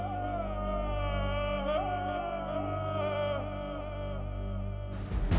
nggak ada yang nunggu